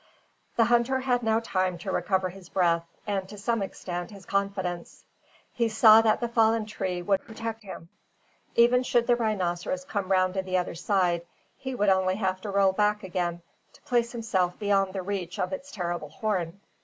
The hunter had now time to recover his breath, and, to some extent, his confidence. He saw that the fallen tree would protect him. Even should the rhinoceros come round to the other side, he would only have to roll back again to place himself beyond the reach of its terrible horn.